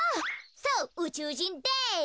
そううちゅうじんです。